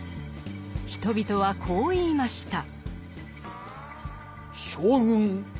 人々はこう言いました。